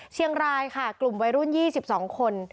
เชียงรายค่ะกลุ่มวัยรุ่น๒๒คน